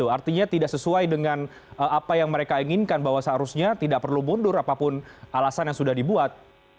artinya tidak sesuai dengan apa yang mereka inginkan bahwa seharusnya tidak perlu mundur apapun alasan yang sudah dibuat